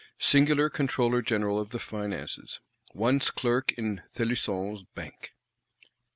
Singular Controller General of the Finances; once Clerk in Thelusson's Bank!